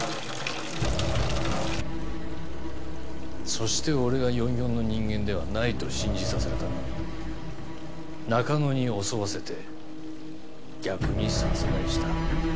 そして俺が４４の人間ではないと信じさせるために中野に襲わせて逆に殺害した。